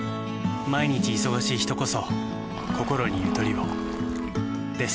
毎日忙しい人こそこころにゆとりをです。